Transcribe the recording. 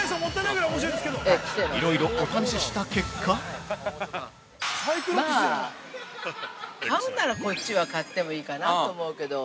いろいろお試しした結果◆まあ、買うならこっちは買ってもいいかなと思うけど。